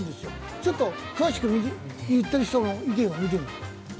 ちょっと詳しく言っている人の意見を聞いてみます。